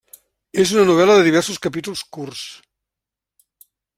És una novel·la de diversos capítols curts.